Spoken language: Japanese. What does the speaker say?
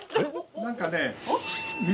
何かね。